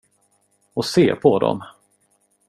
Och se på dem!